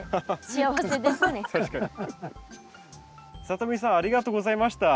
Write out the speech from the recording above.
さとみさんありがとうございました。